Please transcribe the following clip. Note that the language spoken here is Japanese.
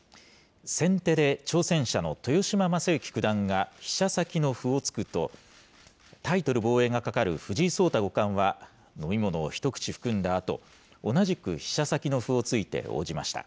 先手で挑戦者の豊島将之九段が飛車先の歩を突くと、タイトル防衛がかかる藤井聡太五冠は、飲み物を一口含んだあと、同じく飛車先の歩を突いて応じました。